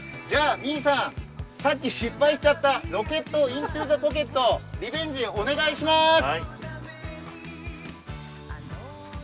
じゃ、三居さん、さっき失敗しちゃったロケット・イントゥ・ザ・ポケットリベンジ、お願いします。